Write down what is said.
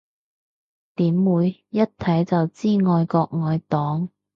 點會，一睇就知愛國愛黨